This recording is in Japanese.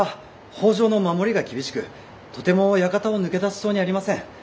北条の守りが厳しくとても館を抜け出せそうにありません。